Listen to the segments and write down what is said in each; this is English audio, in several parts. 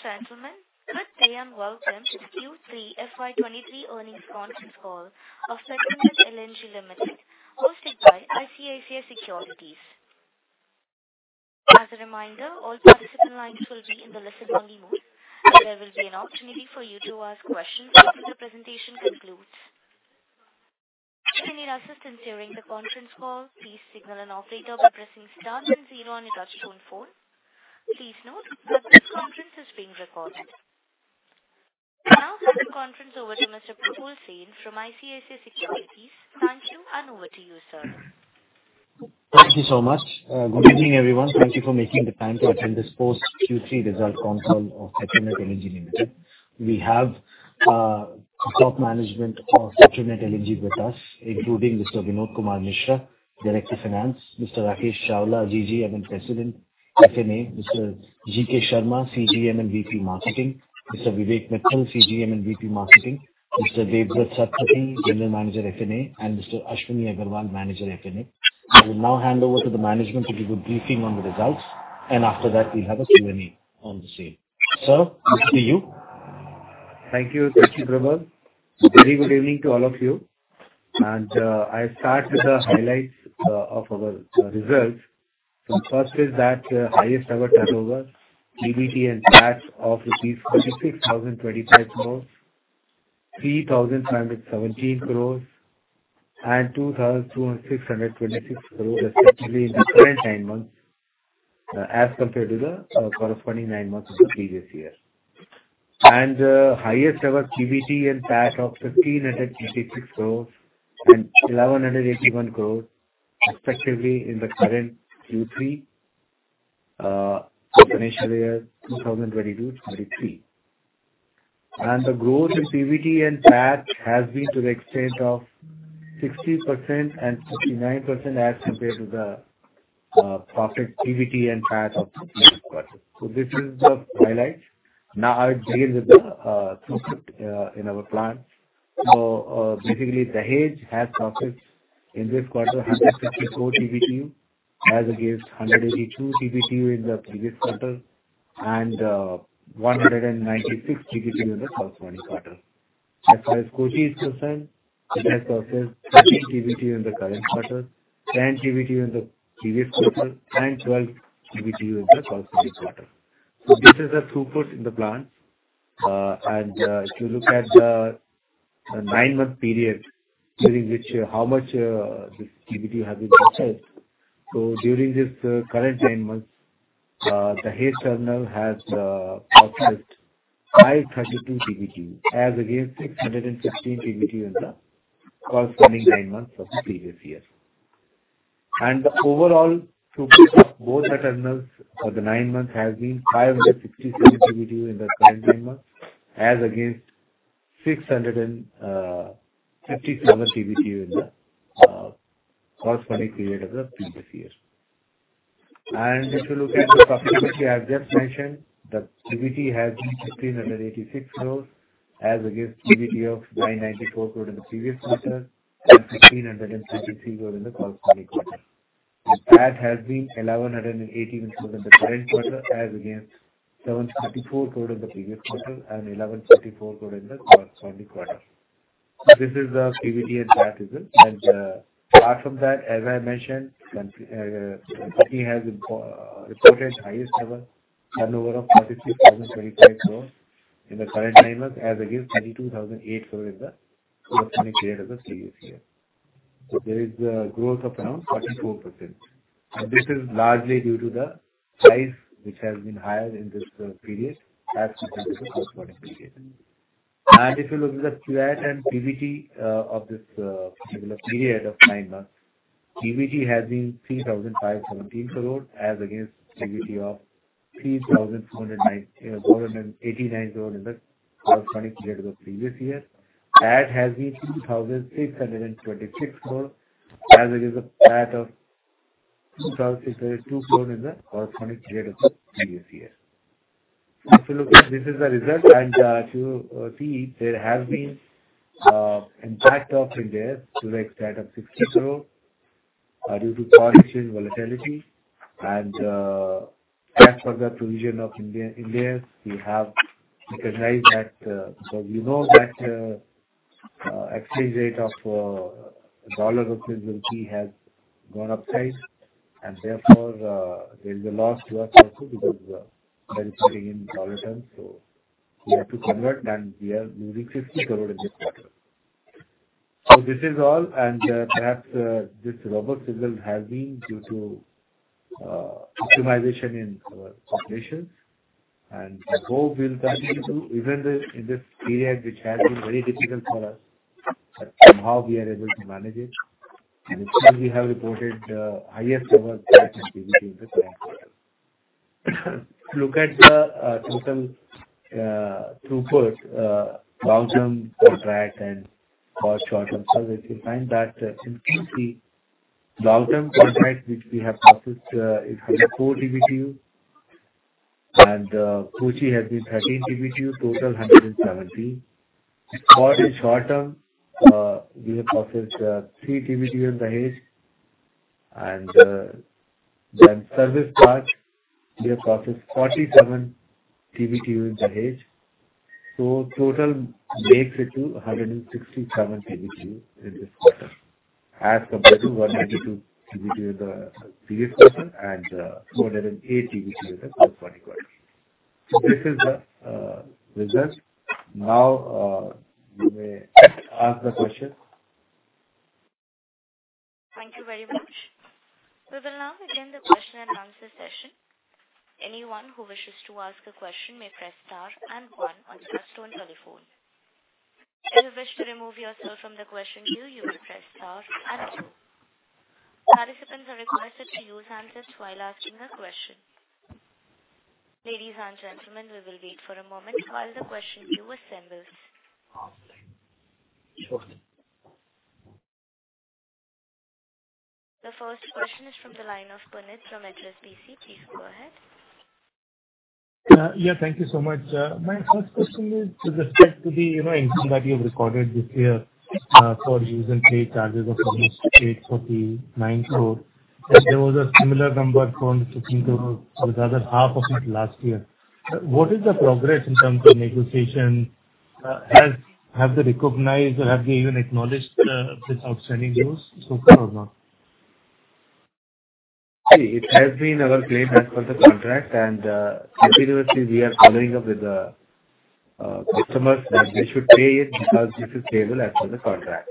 Ladies and gentlemen, good day and welcome to the Q3 FY2023 earnings conference call of Petronet LNG Limited, hosted by ICICI Securities. As a reminder, all participant lines will be in listen-only mode. There will be an opportunity for you to ask questions after the presentation concludes. If you need assistance during the conference call, please signal an operator by pressing star zero on your touch-tone phone. Please note that this conference is being recorded. I will now hand the conference over to Mr. Probal Sen from ICICI Securities. Thank you. Over to you, sir. Thank you very much. Good evening, everyone. Thank you for making the time to attend this post-Q3 results conference call of Petronet LNG Limited. We have the top management of Petronet LNG with us, including Mr. Vinod Kumar Mishra, Director of Finance; Mr. Rakesh Chawla, GGM and President of F&A; Mr. G. K. Sharma, CGM and VP of Marketing; Mr. Vivek Mittal, CGM and VP of Marketing; Mr. Debabrata Satpathy, General Manager of F&A; and Mr. Ashwani Agarwal, Manager of F&A. I will now hand over to the management to provide a briefing on the results. After that, we will have a Q&A session. Sir, over to you. Thank you. Thank you, Probal. A very good evening to all of you. I will start with the highlights of our results. First, we achieved the highest-ever turnover, PBT, and PAT of Rs 46,025 crore, Rs 3,517 crore, and Rs 2,626 crore, respectively, in the current nine months as compared to the corresponding nine months of the previous year. We also recorded the highest-ever PBT and PAT of Rs 1,586 crore and Rs 1,181 crore, respectively, in the current Q3 for the fiscal year 2022-2023. The growth in PBT and PAT has been to the extent of 60% and 59% as compared to the PBT and PAT of the previous quarter. These are the highlights. Now, I will discuss the throughput in our plants. During Q3, the Dahej terminal processed 154 TBTU as against 182 TBTU in Q2 and 196 TBTU in the corresponding quarter of the previous year. The overall throughput of both terminals for the nine-month period has been 566 TBTU in the current nine months, as against 657 TBTU in the corresponding period of the previous year. Regarding the profitability I have just mentioned, the PBT was Rs 1,586 crore as against a PBT of Rs 994 crore in Q2 and Rs 1,633 crore in the corresponding quarter of the previous year. Apart from that, as I mentioned, the company has reported its highest-ever turnover of Rs 46,025 crore in the current nine-month period, as against Rs 32,008 crore in the corresponding period of the previous year. This represents a growth of approximately 44%. PAT has been Rs 2,626 crore as against the PAT of Rs 2,602 crore in the corresponding period of the previous year. This is the result. There has been an impact of approximately Rs 60 crore due to currency volatility. I hope we will continue to do so, even though this period has been very difficult for us. We have managed to report our highest-ever PBT in Q3. Regarding the total throughput for long-term and short-term contracts, the long-term volume processed at Dahej was 154 TBTU and Kochi was 13 TBTU, totaling 167 TBTU. You may ask the question. Thank you very much. We will now begin the question-and-answer session. Anyone who wishes to ask a question may press star one on a touch-tone telephone. If you wish to remove yourself from the question queue, you will press star two. Participants are requested to use handsets while asking a question. Ladies and gentlemen, we will wait for a moment while the question queue assembles. The first question is from the line of Sumit Kishore from Axis Capital. Please go ahead. Yes. Thank you so much. My first question is with respect to the income that you have recorded this year for use-and-pay charges of Rs 849 crore. There was a similar number from take-or-pay, so the other half of it last year. What is the progress in terms of negotiation? Have they recognized or have they even acknowledged these outstanding dues so far or not? It has been our claim as per the contract, and we are continuously following up with the customers because this is payable as per the contract.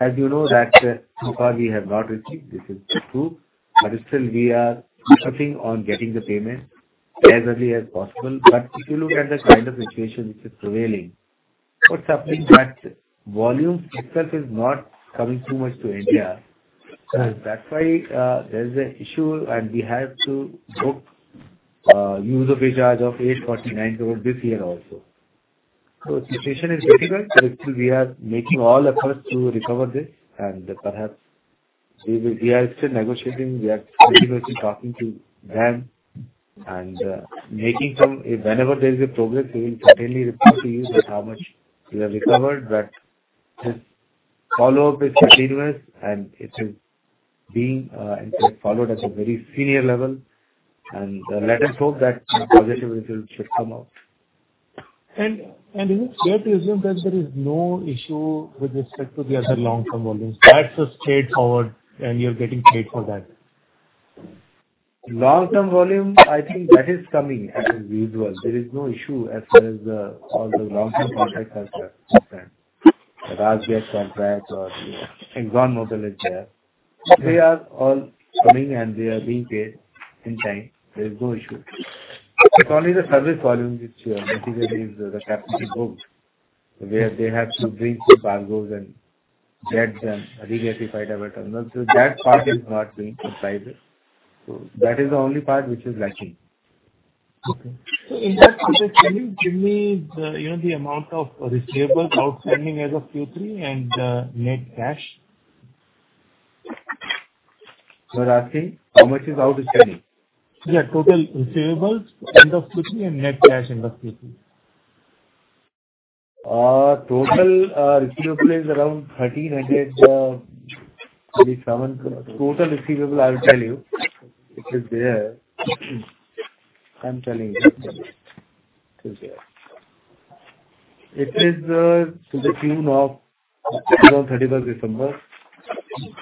As you know, so far, we have not received it; this is true. Still, we are pushing to get the payment as early as possible. If you look at the kind of situation which is prevailing, the volume itself is not coming to India in large quantities. That is why there is an issue, and we have to book use-and-pay charges of Rs 849 crore this year also. The situation is very difficult, but still, we are making all efforts to recover this. We are still negotiating and regularly talking to them. Whenever there is progress, we will certainly report to you how much we have recovered. This follow-up is continuous and is, in fact, being followed at a very senior level. Let us hope that a positive result will come out. Is it fair to assume that there is no issue with respect to the other long-term volumes? That is straightforward, and you are getting paid for those. Long-term volume is coming as usual. There is no issue as far as all the long-term contracts are concerned. The RasGas contract and the ExxonMobil model are there. They are all coming and are being paid on time. There is no issue. It is only the service volume, which is the capacity booked, where they must bring the cargoes and get them regasified at our terminal. That part is not being complied with; that is the only part which is lacking. In that context, can you give me the amount of receivables outstanding as of Q3 and the net cash? Are you asking how much is outstanding? Yes. Total receivables at the end of Q3 and net cash in Q3. Total receivables as of December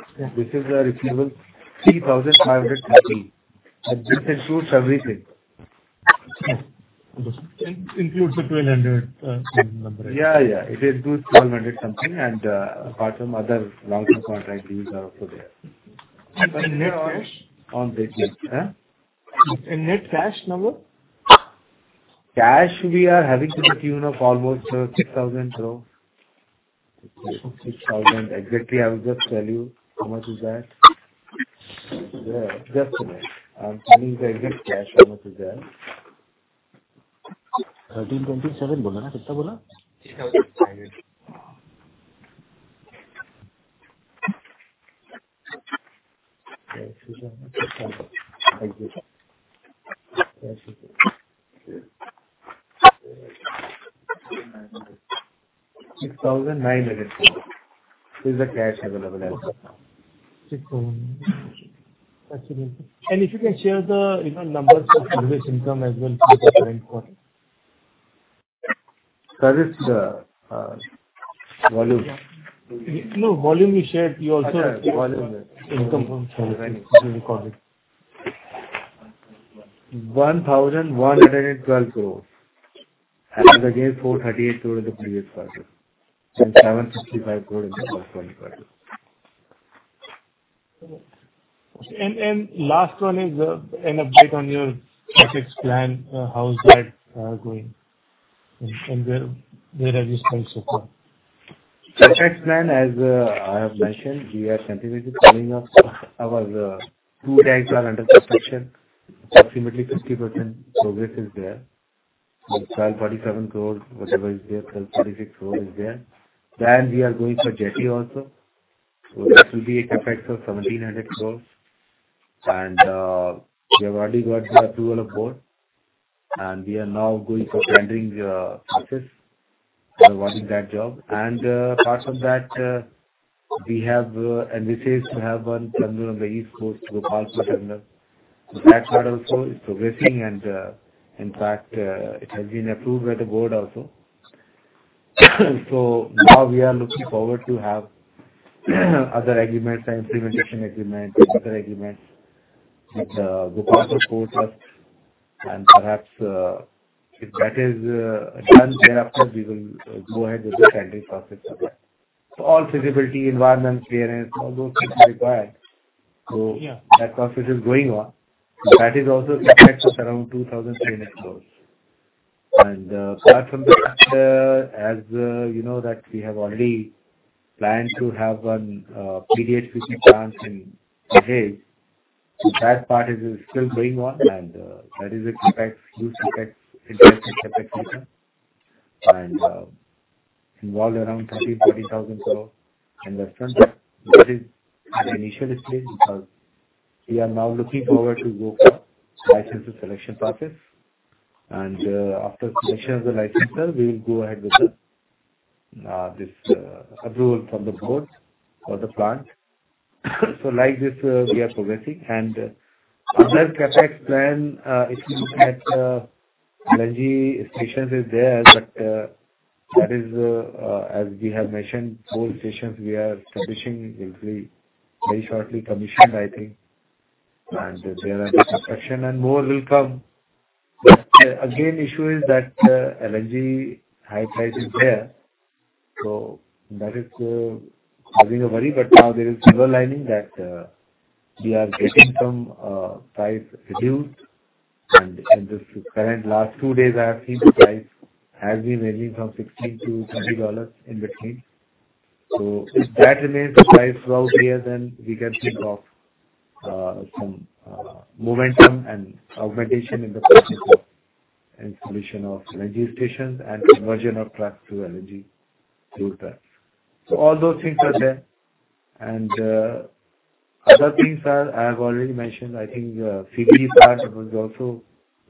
31 are Rs 3,530 crore. This includes everything. That includes the Rs 1,200 crore number? Yes, it includes approximately Rs 1,200 crore, apart from other long-term contract dues. Net cash? Cash we are having to the tune of almost, 6,000 crore. 6,000 exactly, I will just tell you how much is that. it is there. Just a minute. I'm telling the exact cash, how much is there. 1,327. INR 6,900 crore is the cash available as of now. 6,000. That is amazing. If you can share the numbers for service income as well for Q3. The service income is Rs 1,112 crore, compared to Rs 438 crore in Q2 and Rs 755 crore in the corresponding quarter of the previous year. Last one is an update on your CapEx plan. How is that progressing? Regarding our CapEx plan, we are continuously following up. Our two tanks are under construction, with approximately 50% progress. That involves Rs 1,246 crore. We are also proceeding with a third jetty, which will be a CapEx of Rs 1,700 crore. We have already received board approval and are proceeding with the tendering process. Apart from that, we have initiatives for the Gopalpur terminal on the East Coast. That has also been approved by the board, and we are looking forward to implementation agreements with Gopalpur Ports Limited. We will then proceed with the tendering process. Feasibility and environmental clearances are required, and that process is ongoing. Furthermore, we have planned a PDH (Propane Dehydrogenation) plant in Dahej. That involves a significant investment of approximately Rs 13,000 crore to Rs 14,000 crore. We are currently in the licensor selection process. Regarding other plans, our LNG stations are being commissioned shortly. However, high LNG prices are a concern. We have seen a silver lining recently with prices ranging between $16 and $20. If prices remain at this level, we can augment the installation of LNG stations and the conversion of trucks to LNG. Regarding CBG (Compressed Biogas), we are waiting for the state government to allot land before that process can progress further. Regarding other matters, as I have already mentioned, the CBG part was also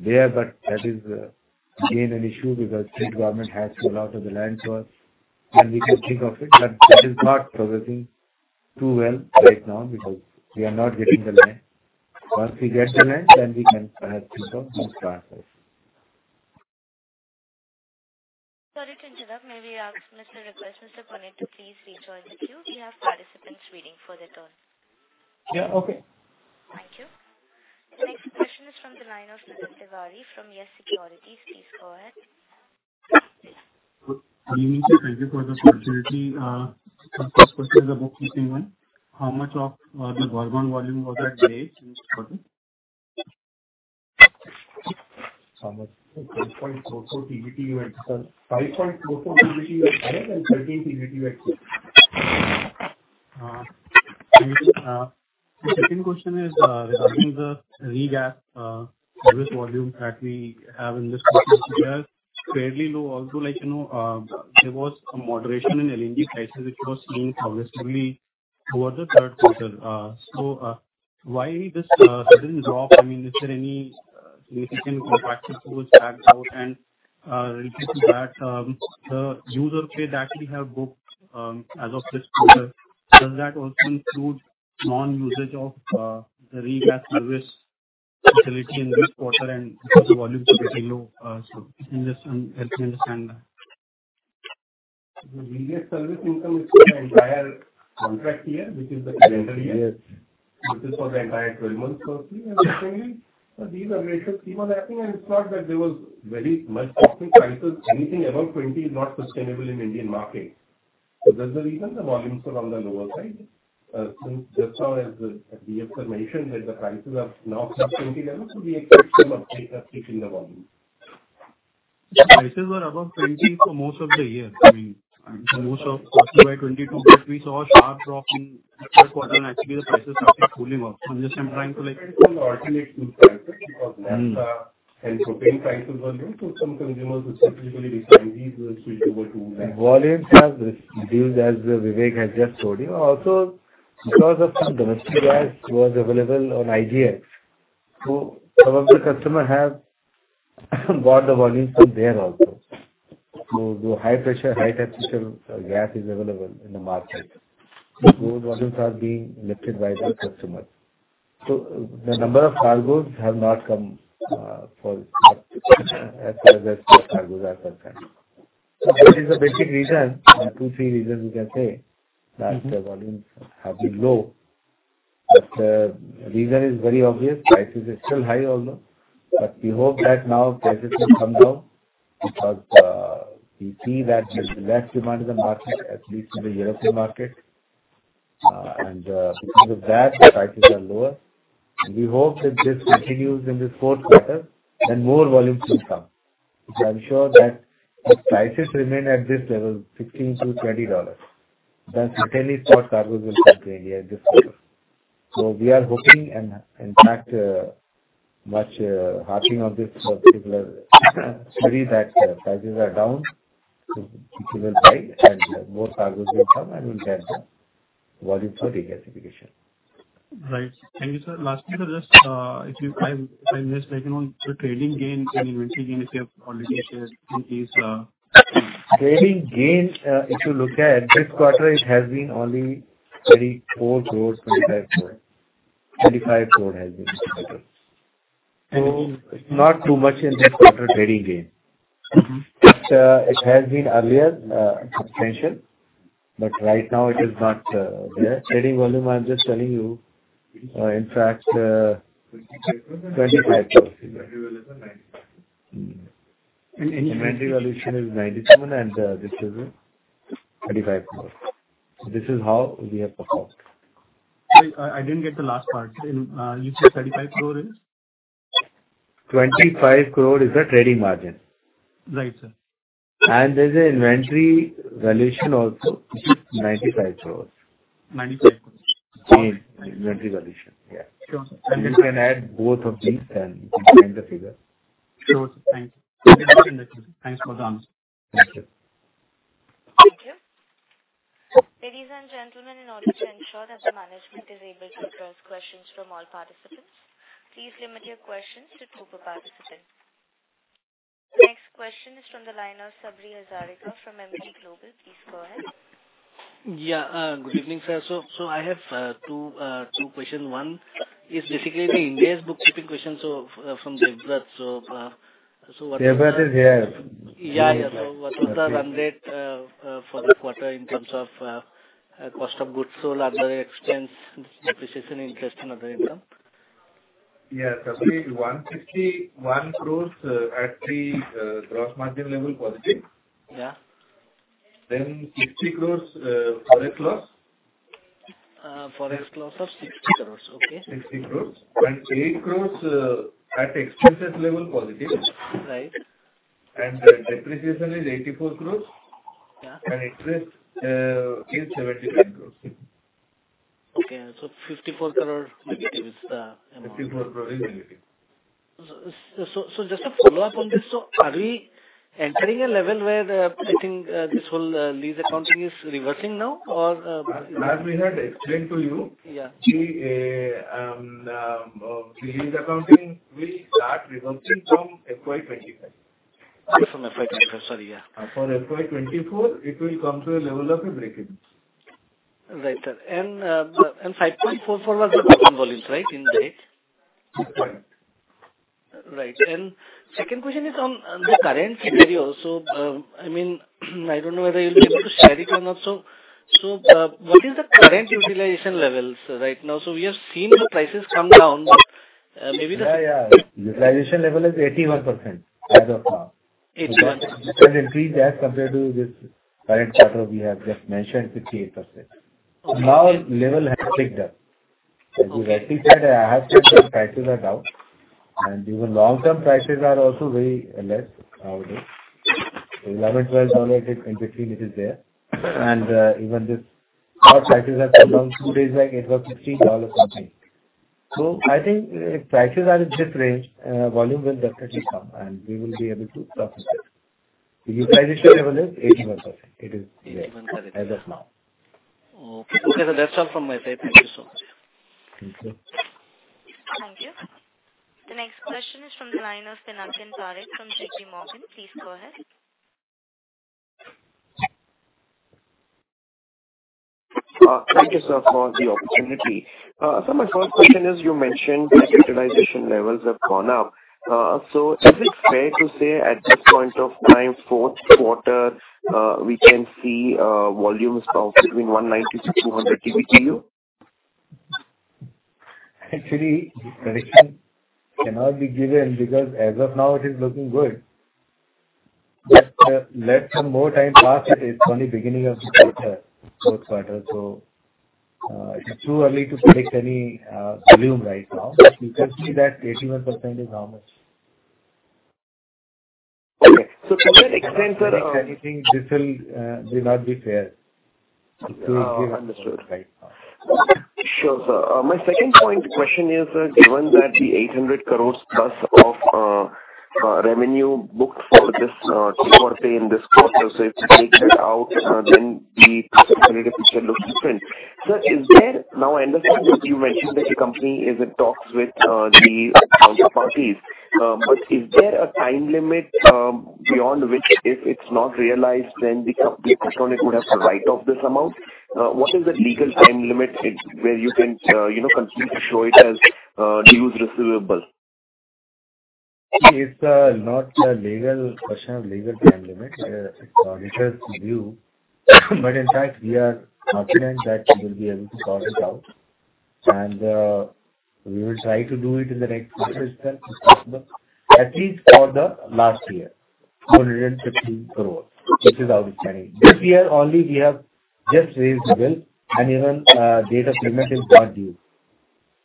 discussed. However, that is again an issue because the state government must allot the land to us before we can consider it. It is not progressing well at this time because we are not receiving the land. Once we secure the land, we can consider those processes. I apologize for the interruption. May we ask Mr. Puneet to please rejoin the queue? We have participants waiting for their turn. Thank you. The next question is from the line of Nitin Tiwari from YES Securities. Please go ahead. Good evening, sir. Thank you for this opportunity. My first question is a bookkeeping one. How much of the Gorgon volume was processed at Kochi? At Kochi, it was 13 TBTU. The second question is regarding the regasification service volume in Q3, which is fairly low. Although there was a moderation in LNG prices progressively towards Q3, why was there this sudden drop? Is there any significant contractual volume tagged out? Related to that, does the use-and-pay income we booked as of Q3 also include non-usage of the regasification service facility in this quarter? The regasification service income is for the entire contract year, which is the calendar year. It covers the entire 12 months. Secondly, anything above $20 is not sustainable in the Indian market; that is the reason volumes were on the lower side. Since the Director of Finance mentioned that prices have now touched the $20 level, we expect an uptick in volumes. Prices were above $20 for most of 2022, but we saw a sharp drop in Q3 as prices started cooling off. I am trying to— It depends on alternate fuel prices. Propane prices were low, so some consumers decided to switch over to that. Volumes have reduced, as Vivek just mentioned, also because domestic gas was available on the IGX (Indian Gas Exchange). High-pressure, high-temperature gas is available in the market, and those volumes are being lifted by customers. This is the basic reason the volumes have been low. Right. Thank you, sir. Lastly, I am checking on the trading and inventory gains, if you have those available? The trading margin for Q3 was Rs 25 crore. There is also an inventory valuation gain of Rs 95 crore. You can add both of these to find the total figure. Thank you. Ladies and gentlemen, in order to ensure that the management is able to address questions from all participants, please limit your questions to two per participant. The next question is from the line of Sabri Hazarika from Emkay Global. Please go ahead. Good evening, sir. I have two questions. The first is a bookkeeping question regarding Ind AS for Debabrata. Debabrata is here. What was the run rate for the quarter in terms of cost of goods sold, other expenses, depreciation, interest, and other income? Yes, Sabri. At the gross margin level, it was Rs 161 crore positive. We had a Forex loss of Rs 60 crore. There was Rs 8 crore at the expenses level positive. Depreciation is Rs 84 crore, and interest is Rs 75 crore. Rs 54 crore negative is the amount. Are we entering a level where the lease accounting is reversing? As we have explained to you, the lease accounting will start reversing from FY2025. For FY2024, it will reach a break-even level. Right, sir. And the 5.44 was the cargo volume at Dahej, correct? What is the current utilization level right now? The utilization level is 81% as of now. It has increased compared to the 58% mentioned for Q3. Levels have picked up because prices are down. Long-term prices are around $11 to $12 and spot prices recently touched $15. If prices remain in this range, volumes will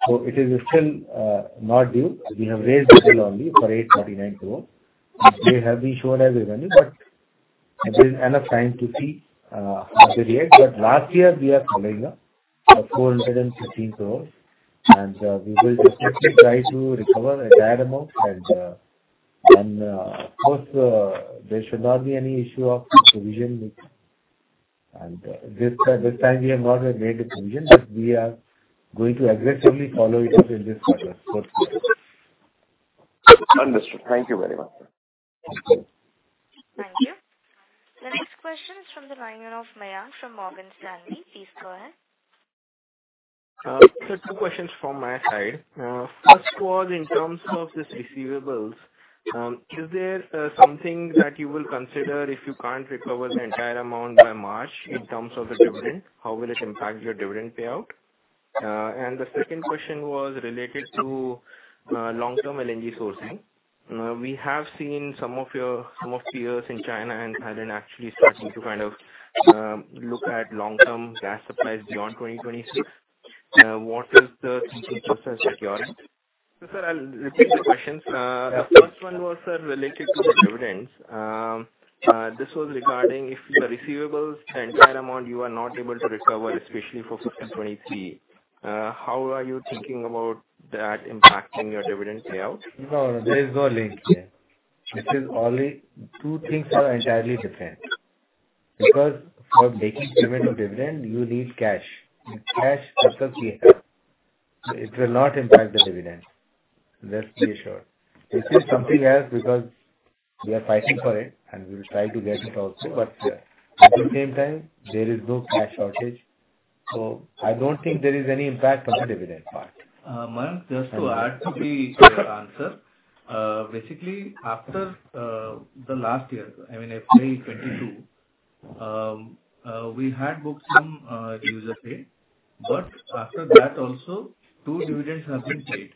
definitely come. Also, what is your thinking on long-term LNG sourcing beyond 2026? There is no link between those two things. To make a dividend payment, you need cash. Since there is no cash shortage, it will not impact the dividend. Rest assured, we are fighting for the receivables, but it will not affect the dividend part. No, there is no link there. Two things are entirely different. For making payment of dividend, you need cash. With cash, it will not impact the dividend. Rest be assured. This is something else because we are fighting for it, and we will try to get it also. At the same time, there is no cash shortage, so I do not think there is any impact on the dividend part. Mayank, just to add to the answer. after the last year, I mean, FY 22, we had booked some user pay, but after that also two dividends have been paid.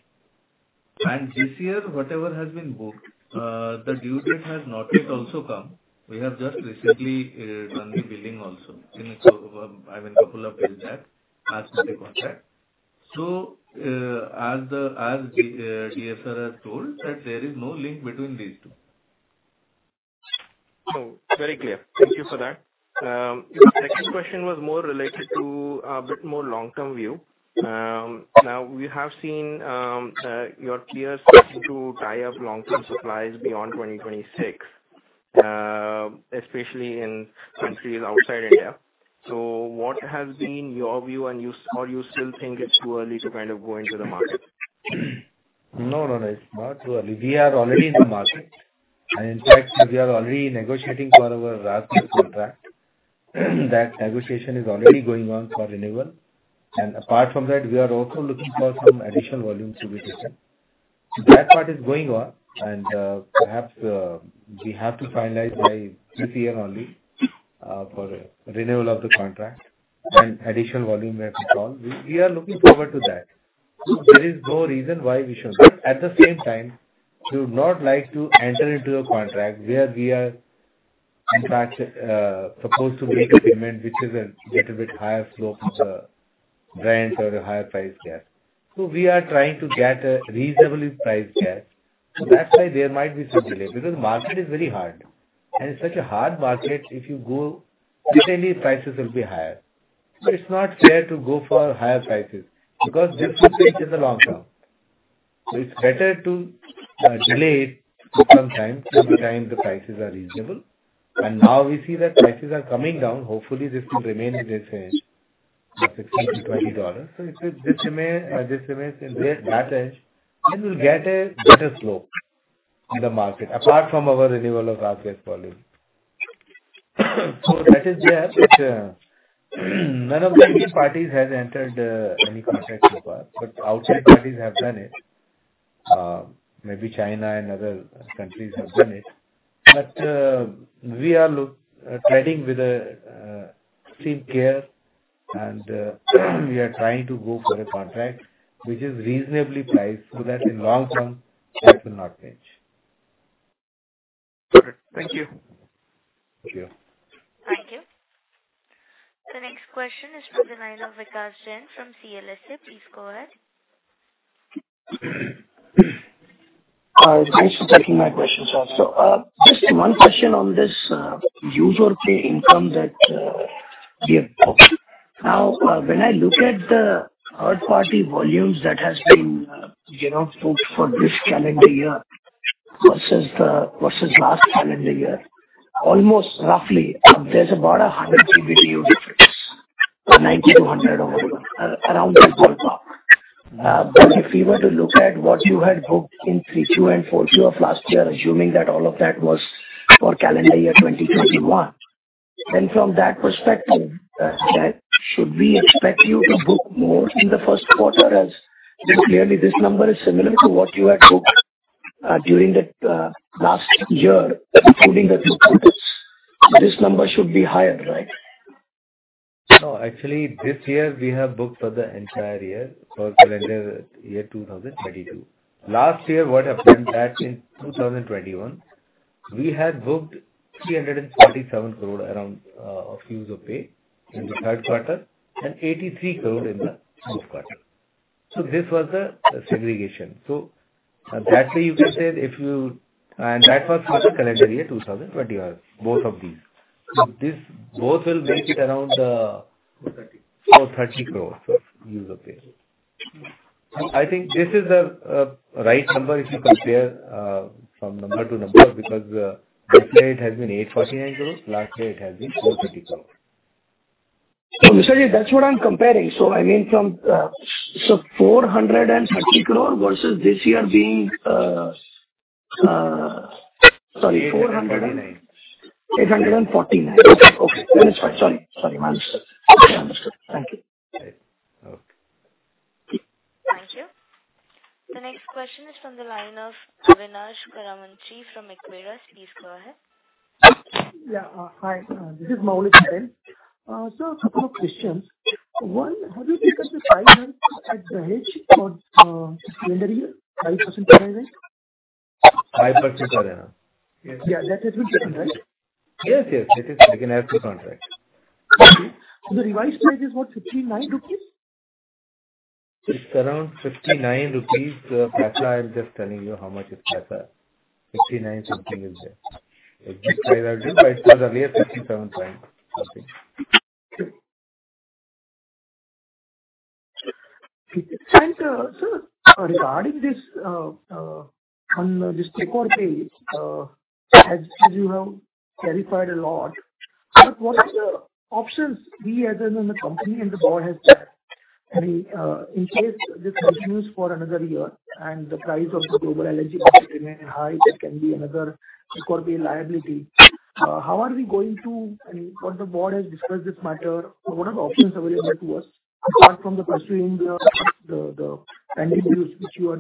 This year, whatever has been booked, the due date has not yet also come. We have just recently done the billing also in a couple of days back as per the contract. As the DSR has told that there is no link between these two. No, very clear. Thank you for that. The second question was more related to a bit more long-term view. Now we have seen your peers starting to tie up long-term supplies beyond 2026, especially in countries outside India. What has been your view, and you still think it is too early to kind of go into the market? No, no, it is not too early. We are already in the market. In fact, we are already negotiating for our last year contract. That negotiation is already going on for renewal. Apart from that, we are also looking for some additional volumes to be taken. That part is going on. we have to finalize by this year only for renewal of the contract and additional volume, if at all. We are looking forward to that. There is no reason why we shouldn't. At the same time, we would not like to enter into a contract where we are, in fact, supposed to make a payment which is a little bit higher slope, rent or a higher price gas. We are trying to get a reasonably priced gas. That's why there might be some delay, because market is very hard. In such a hard market, if you go, certainly prices will be higher. it is not fair to go for higher prices, because this will take in the long term. it is better to delay it for some time till the time the prices are reasonable. Now we see that prices are coming down. Hopefully this will remain in this, the USD 16-20. If it remains in that range, then we'll get a better slope in the market, apart from our renewal of our gas volume. That is there. None of the Indian parties has entered any contract so far. Outside parties have done it. Maybe China and other countries have done it. We are treading with extreme care. We are trying to go for a contract which is reasonably priced, so that in long term that will not pinch. Perfect. Thank you. Thank you. Thank you. The next question is from the line of Vikash Jain from CLSA. Please go ahead. Thanks for taking my questions also. Just one question on this user pay income that we have booked. Now, when I look at the third party volumes that has been, booked for this calendar year versus versus last calendar year, almost roughly there's about 100 GBtu difference, or 90 to 100 over, around this ballpark. If we were to look at what you had booked in 3-2 and 4-2 of last year, assuming that all of that was for calendar year 2021, then from that perspective, that should we expect you to book more in the Q1 as this, clearly, this number is similar to what you had booked during that last year, including the two quarters. This number should be higher, right? No. Actually, this year we have booked for the entire year, for calendar year 2032. Last year what happened that in 2021, we had booked 347 crore around of user pay in the Q3 and 83 crore in the Q4. This was the segregation. That way you can say if you... That was for the calendar year 2021, both of these. This both will make it around, Four-thirty. 430 crores of user pay. This is the right number if you compare from number to number because last year it has been 849 crores. Last year it has been 430 crores. Mr., that's what I'm comparing. I mean from 430 crore versus this year being, sorry. Thank you. The next question is from the line of Avinash Karamchandani from Equirus. Please go ahead. Hi, this is Maulik Patel. Couple of questions. One, have you taken the 500 at Dahej for this calendar year, 5% per annum? 5% per annum. Yes. The revised price is what, 59 rupees? it is around 59 rupees. roughly I'm just telling you how much. 59 something is there. If you further revise for the year INR 37 something.. Sir, regarding this, on this take-or-pay, as you have clarified a lot, but what are the options we as in the company and the board has that? I mean, in case this continues for another year and the price of the global LNG market remain high, that can be another take-or-pay liability. I mean, what the board has discussed this matter. What are the options available to us apart from the pursuing the pending dues which you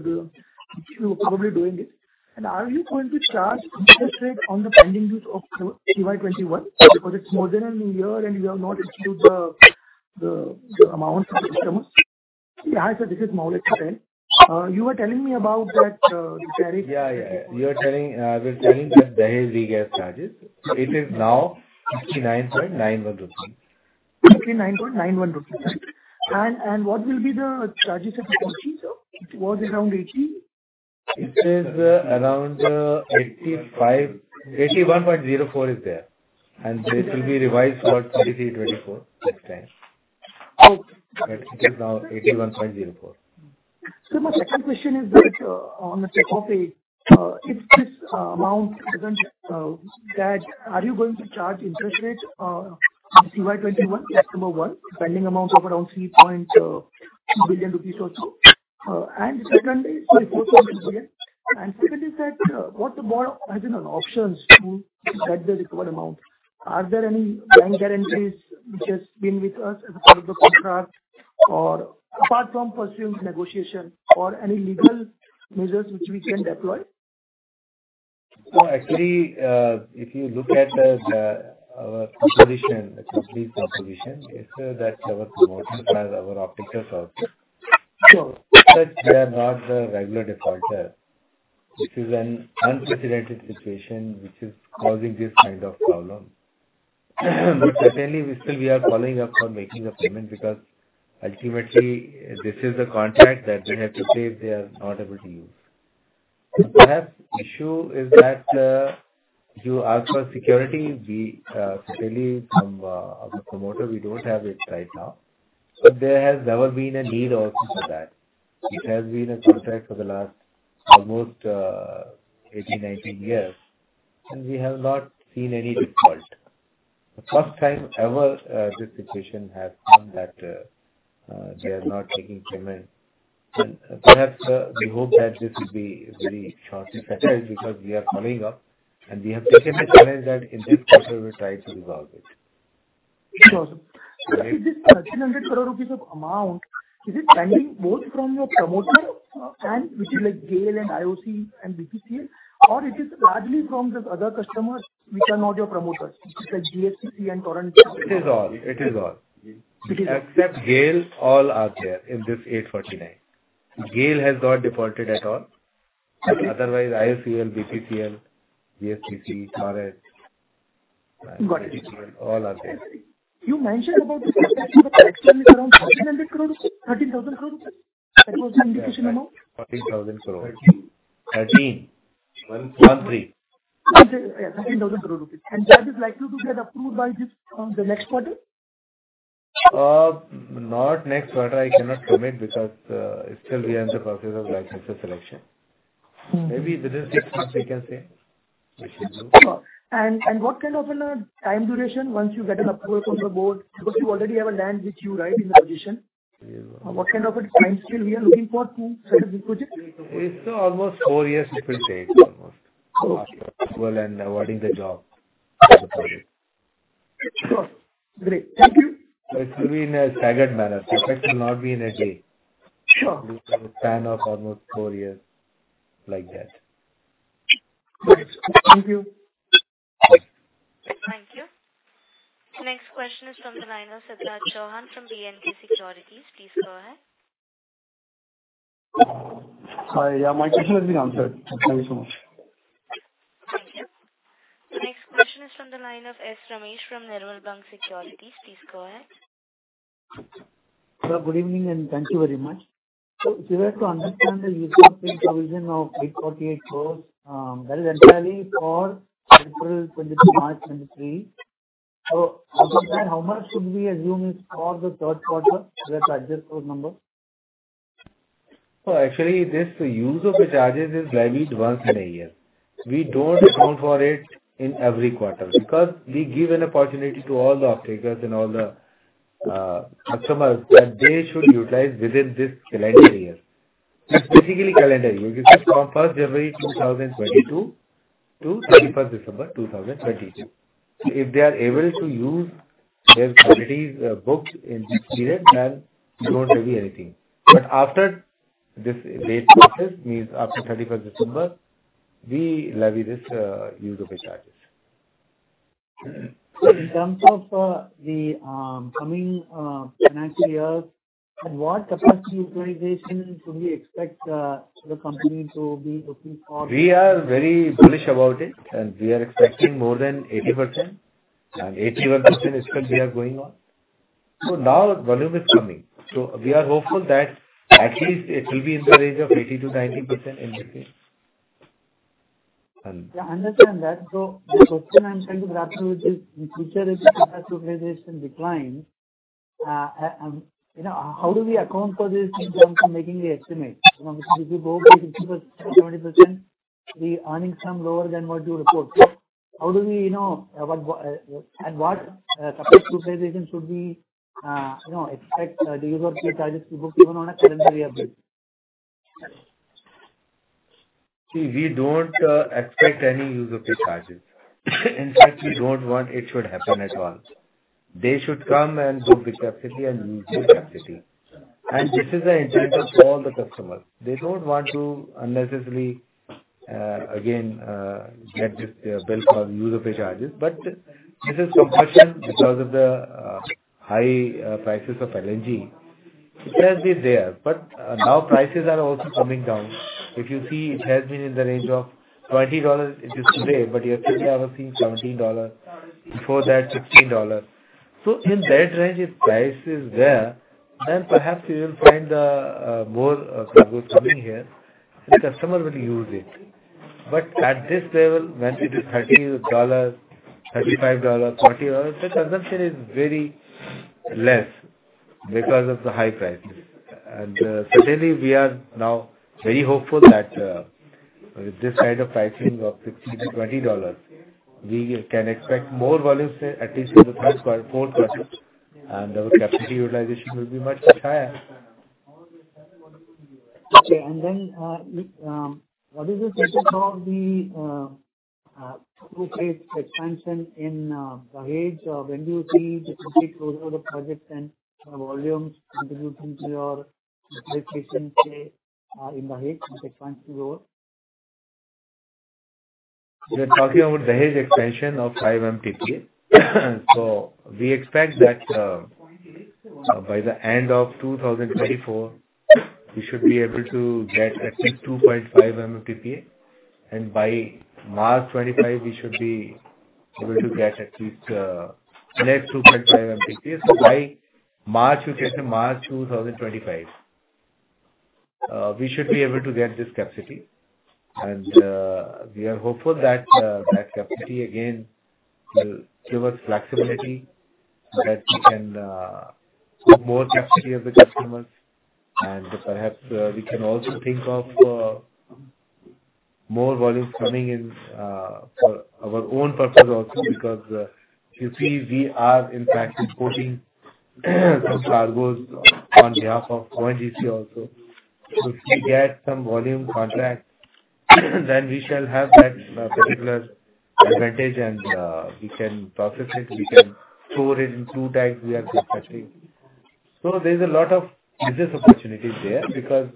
are probably doing it. Are you going to charge interest rate on the pending dues of CY 2021? Because it is more than a year and you have not received the amount from the customers. You were telling me about that, the tariff. You are telling, we are telling that Dahej regas charges. It is now 59.91 rupees. 59.91 rupees. What will be the charges at Kochi, sir? It was around 80. It is around 85. 81.04 is there. This will be revised for 2023, 2024 next time. It is now 81.04. My second question is that on the take-or-pay, if this amount doesn't, are you going to charge interest rates on CY 2021? That's number one. Pending amount of around 3 billion rupees or so. Secondly, sorry, 4 billion. Secondly, sir, what the board has in an options to get the recovered amount. Are there any bank guarantees which has been with us as a part of the contract or apart from pursuing negotiation or any legal measures which we can deploy? Actually, if you look at our composition, the complete composition is that our promoter has our optical source. They are not the regular defaulter. This is an unprecedented situation which is causing this kind of problem. Certainly we still, we are following up for making the payment because ultimately this is the contract that they have to pay if they are not able to use. Issue is that, you ask for security. We, certainly from, our promoter, we do not have it right now. There has never been a need also for that. It has been a contract for the last almost, 18, 19 years, and we have not seen any default. The first time ever, this situation has come that, they are not taking payment. We hope that this will be very shortly settled because we are following up and we have taken a challenge that in this quarter we will try to resolve it. This INR 1,300 crore of amount, is it pending both from your promoter and which is like GAIL and IOC and BPCL, or it is largely from the other customers which are not your promoters, which is like GSPC and Torrent? Except GAIL, all are there in this 849. GAIL has not defaulted at all. Otherwise, IOCL, BPCL, GSPC, Torrent. You mentioned about the collection is around 1,300 crore, 13,000 crore. That was the indication amount. 13,000 crore. That is likely to get approved by this, the next quarter? Not next quarter I cannot commit because still we are in the process of licensor selection. Maybe within six months we can say. What kind of a time duration once you get an approval from the board, because you already have a land with you, right, in Navigition? What kind of a timescale we are looking for to start this project? it is almost four years it will take almost. As well awarding the job for the project. It will be in a staggered manner. Effect will not be in a day. It will be a span of almost four years like that. Thank you. The next question is from the line of Siddharth Chauhan from B&K Securities. Please go ahead. My question has been answered. Thank you so much. Thank you. The next question is from the line of S Ramesh from Nirmal Bang Securities. Please go ahead. Sir, good evening and thank you very much. If you have to understand the usage provision of 848 crores, that is entirely for April 2022, March 2023. How much should we assume is for the Q3 with the adjusted number? Well, actually this use of the charges is levied once in a year. We do not account for it in every quarter because we give an opportunity to all the offtakers and all the customers that they should utilize within this calendar year. it is calendar year. This is from 1st January 2022 to 31st December 2022. If they are able to use their capacity booked in this period, then we won't levy anything. After this date passes, means after 31st December, we levy this use of way charges. In terms of the coming financial year, what capacity utilization should we expect the company to be looking for? We are very bullish about it, and we are expecting more than 80%. 81% is what we are going on. Now volume is coming. We are hopeful that at least it will be in the range of 80%-90% in the year. I understand that. The question I'm trying to grasp here is, in future if the capacity utilization declines, how do we account for this in terms of making the estimate? because if you go by 60%, 70%, the earnings come lower than what you report. How do we know what at what capacity utilization should we, expect the Right-of-Way charges to book even on a calendar year basis? See, we do not expect any use of way charges. In fact, we do not want it should happen at all. They should come and book the capacity and use the capacity. This is the intent of all the customers. They do not want to unnecessarily get this bill for use of way charges. This is compulsion because of the high prices of LNG. It has been there. Now prices are also coming down. If you see, it has been in the range of $20 it is today, but yesterday I was seeing $17, before that $15. In that range, if price is there, then we will find more cargos coming here, and customer will use it. At this level, when it is $13, $35, $40, the consumption is very less because of the high prices. Certainly we are now very hopeful that with this kind of pricing of $15-$20, we can expect more volumes here, at least for the Q3, Q4. Our capacity utilization will be much higher.. What is the status of the two-phase expansion in Dahej? When do you see the complete closure of the project and volumes contributing to your utilization, say, in Dahej with expansion load? You're talking about Dahej expansion of 5 MTPA. We expect that by the end of 2024, we should be able to get at least 2.5 MMTPA. By March 2025, we should be able to get at least next 2.5 MTPA. By March, you can say March 2025, we should be able to get this capacity. We are hopeful that that capacity again will give us flexibility that we can book more capacity of the customers. we can also think of more volumes coming in for our own purpose also. You see, we are in fact importing some cargos on behalf of ONGC also. If we get some volume contract, then we shall have that particular advantage and we can process it, we can store it in two tanks we are constructing. There's a lot of business opportunities there because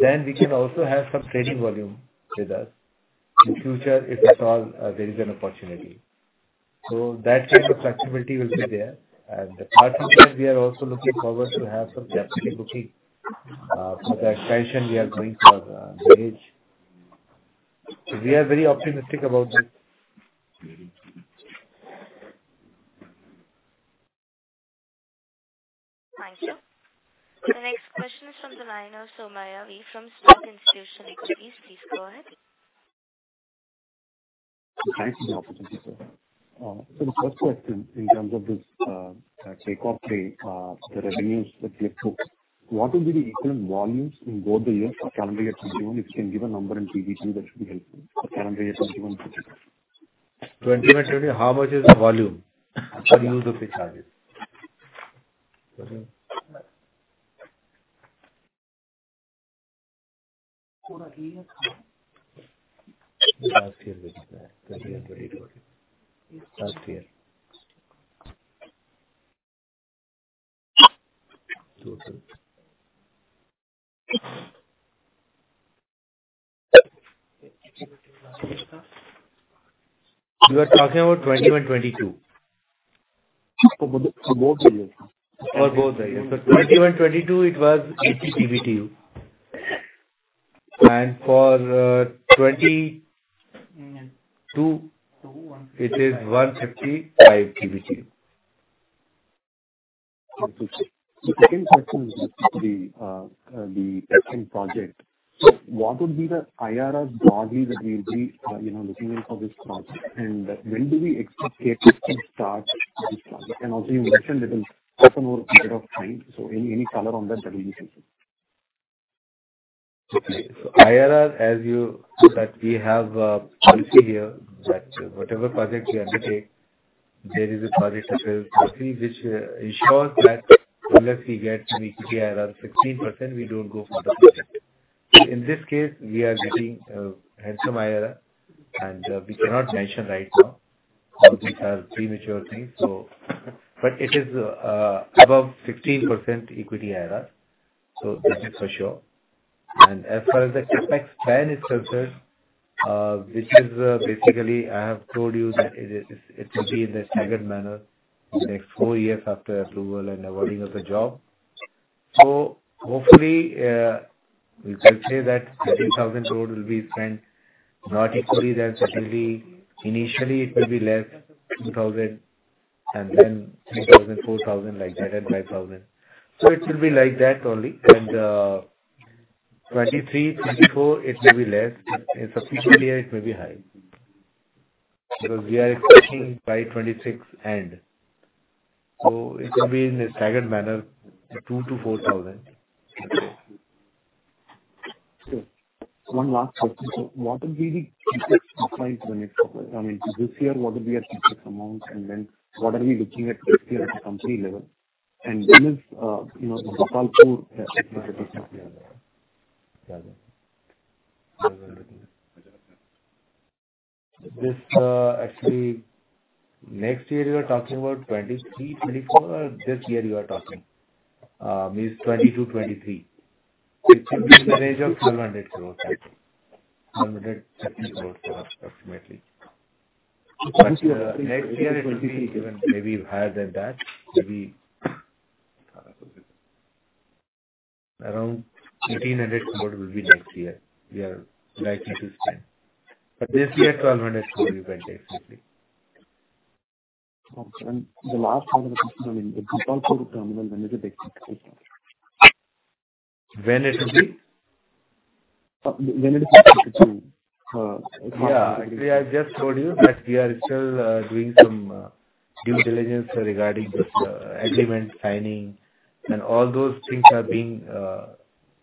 then we can also have some trading volume with us. In future if at all, there is an opportunity. That kind of flexibility will be there. Apart from that we are also looking forward to have some capacity booking for the expansion we are doing for Dahej. We are very optimistic about that. Thank you. The next question is from Somaiah V from Spark Institutional Equities. Please go ahead. Thanks for the opportunity, sir. The first question in terms of this take-or-pay, the revenues that you have booked, what will be the equivalent volumes in both the years for calendar year 2021, if you can give a number in TBTU that should be helpful, for calendar year 2021, 2022? 20 and 20, how much is the volume for Right-of-Way charges? Last year. Last year. You are talking about 2021, 2022. For both the years. For both the years. For 2021, 2022 it was 80 PBTU. For 2022 it is 155 PBTU. The second question is the FM project. What would be the IRR broadly that we'll be, looking at for this project? When do we expect it to start this project? Also you mentioned it will take a more period of time. Any, any color on that that you can give. IRR, as you said, we have a policy here that whatever project we undertake, there is a project approval policy which ensures that unless we get an equity IRR of 16%, we do not go for the project. In this case, we are getting a handsome IRR and we cannot mention right now because it is a premature thing. It is above 16% equity IRR, that is for As far as the CapEx plan is concerned, which is I have told you that it is, it will be in a staggered manner, like 4 years after approval and awarding of the job. Hopefully, we can say that 13,000 crore will be spent, not equally then. Initially it will be less, 2,000 and then 3,000, 4,000 like that, and 5,000. It will be like that only. 2023, 2024 it may be less, and subsequent year it may be high. Because we are expecting by 2026 end. It will be in a staggered manner, 2,000-4,000. One last question, sir. What would be the CapEx applied for the next couple... I mean, this year, what would be our CapEx amount, and then what are we looking at next year at the company level? When is, the Gopalpur expected to start? This, actually next year you are talking about 2023, 2024 or this year you are talking? means 2022, 2023. It should be in the range of INR 1,200 crores,. INR 1,213 crores approximately. This year or next year. Next year it will be even maybe higher than that. Maybe around INR 1,800 crore will be next year. We are likely to spend. This year INR 1,200 crore you can take safely. The last part of the question, I mean, the Gopalpur terminal, when is the basic. When it will be? When it is expected to? Actually, I just told you that we are still doing some due diligence regarding this agreement signing, and all those things are being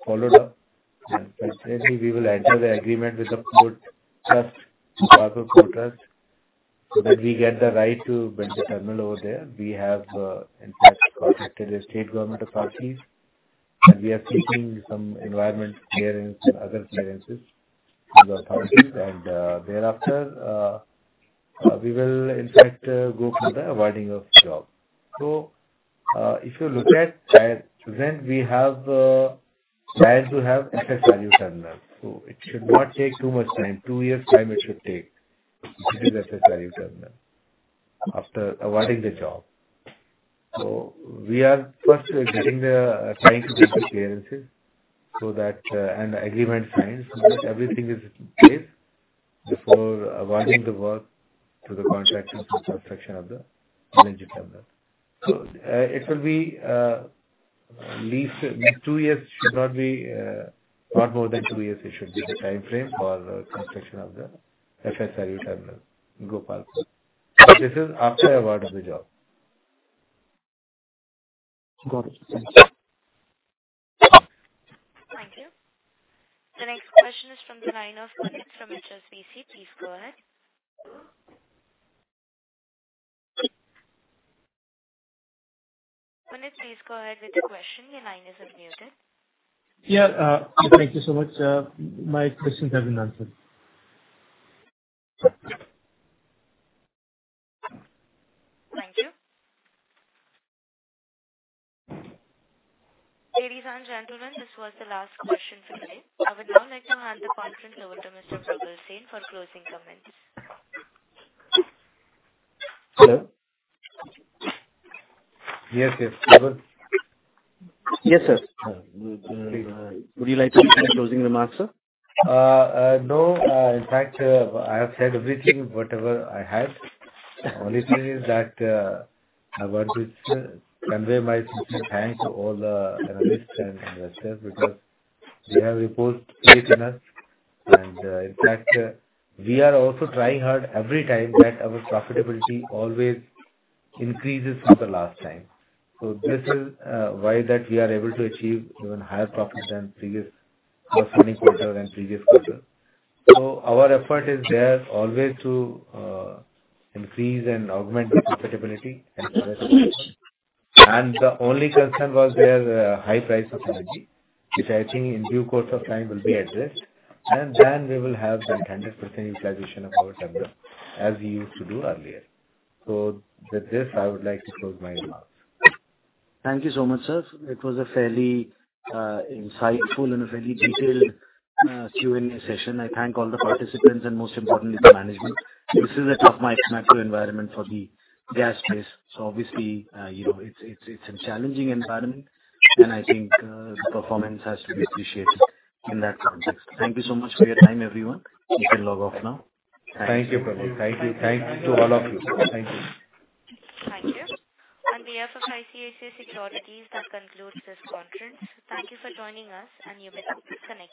followed up. Hopefully we will enter the agreement with the port trust, Paradip Port Trust, so that we get the right to build the terminal over there. We have, in fact, contacted the state government authorities and we are seeking some environment clearance and other clearances with the authorities. Thereafter, we will in fact, go for the awarding of job. If you look at that, we have plans to have FSRU terminal. It should not take too much time. Two years time it should take to build FSRU terminal after awarding the job. We are first trying to get the clearances so that, and the agreement signed so that everything is in place before awarding the work to the contractor for construction of the LNG terminal. It will be at least 2 years. Should not be lot more than 2 years it should be the timeframe for construction of the FSRU terminal in Gopalpur. This is after award of the job. Got it. Thank you. Thank you. The next question is from the line of Puneet from HSBC. Please go ahead. Puneet, please go ahead with the question. Your line is unmuted. Thank you so much. My questions have been answered. Thank you. Ladies and gentlemen, this was the last question for today. I would now like to hand the conference over to Mr. Probal Sen for closing comments. Sir? Yes, yes. Probal. Yes, sir. Would you like to make the closing remarks, sir? No. In fact, I have said everything, whatever I had. Only thing is that, I want to convey my sincere thanks to all the analysts and investors because they have reposed faith in us. In fact, we are also trying hard every time that our profitability always increases from the last time. This is why that we are able to achieve even higher profit than previous, or current quarter than previous quarter. Our effort is there always to increase and augment the profitability and investors' return. The only concern was there, high price of energy, which in due course of time will be addressed, and then we will have the 100% utilization of our terminal as we used to do earlier. With this, I would like to close my remarks. Thank you so much, sir. It was a fairly insightful and a fairly detailed Q&A session. I thank all the participants and most importantly the management. This is a tough macro environment for the gas space, so obviously, it is, it is a challenging environment and the performance has to be appreciated in that context. Thank you so much for your time, everyone. You can log off now. Thanks. Thank you, Prabhat. Thank you. Thanks to all of you. Thank you. Thank you. On behalf of ICICI Securities, that concludes this conference. Thank you for joining us, and you may disconnect.